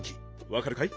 わかるかい？